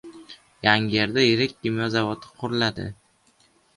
Yangiyerda yirik kimyo zavodi quriladi